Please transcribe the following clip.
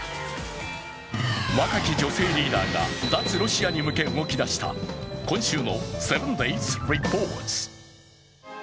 若き女性リーダーが脱ロシアに向け動き出した今週の７ｄａｙリポート。